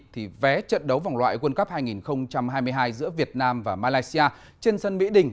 thì vé trận đấu vòng loại world cup hai nghìn hai mươi hai giữa việt nam và malaysia trên sân mỹ đình